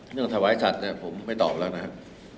ถวายสัตว์เนี่ยผมไม่ตอบแล้วนะครับ